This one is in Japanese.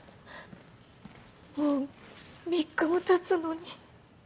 もう３日もたつのに。